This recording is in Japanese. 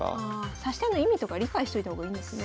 指し手の意味とか理解しといた方がいいんですね。